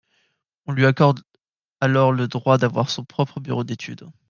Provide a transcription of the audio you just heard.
On lui accorde alors le droit d’avoir son propre bureau d’études.